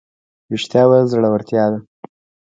رښتیا ویل زړورتیا ده